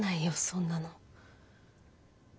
そんなの。